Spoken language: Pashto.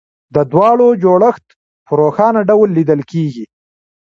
د دواړو جوړښت په روښانه ډول لیدل کېږي